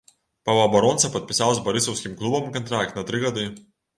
Паўабаронца падпісаў з барысаўскім клубам кантракт на тры гады.